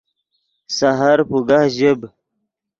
سحر پوگہ ژیب